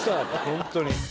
本当に。